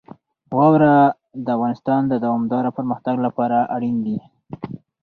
واوره د افغانستان د دوامداره پرمختګ لپاره اړین دي.